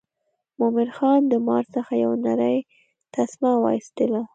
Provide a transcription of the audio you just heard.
مومن خان د مار څخه یو نرۍ تسمه وایستله.